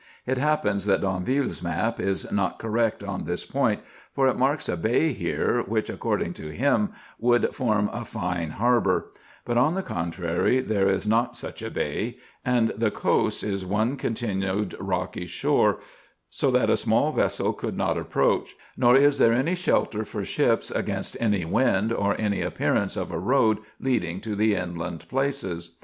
It happens that D'Anville's map is not correct on this point, for it marks a bay here, which, according to him, would form a fine harbour ; but, on the conti ary, there is not such a bay, and the coast is one continued rocky shore, so that a small vessel could not approach, nor is there any shelter for ships against any wind, or any appearance of a road leading to the inland places.